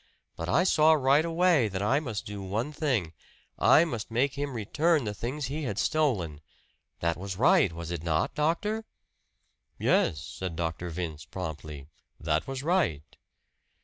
But I saw right away that I must do one thing I must make him return the things he had stolen! That was right, was it not, doctor?" "Yes," said Dr. Vince promptly, "that was right."